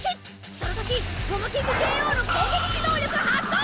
そのときモモキングＪＯの攻撃時能力発動！